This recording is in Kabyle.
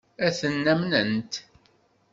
Ad ten-amnent?